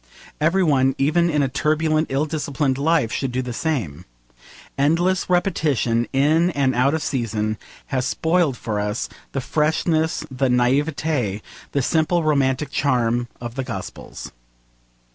Every one, even in a turbulent, ill disciplined life, should do the same. Endless repetition, in and out of season, has spoiled for us the freshness, the naivete, the simple romantic charm of the Gospels.